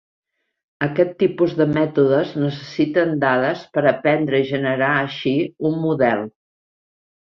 Aquest tipus de mètodes necessiten dades per aprendre i generar així un model.